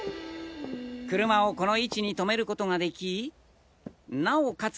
車をこの位置に停める事ができなおかつ